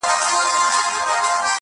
او دربار یې کړ صفا له رقیبانو؛